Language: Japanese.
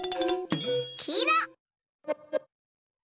きいろ！